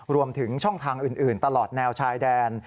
รวมถึงช่องทางอื่นตลอดแนวชายแดน